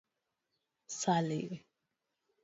Sally.